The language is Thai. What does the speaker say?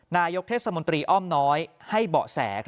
นายกเทศมนตรีอ้อมน้อยให้เบาะแส